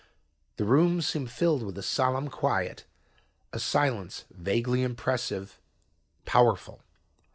The room seemed filled with a solemn quiet, a silence vaguely impressive, powerful.